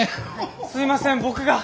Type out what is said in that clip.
すいません僕が。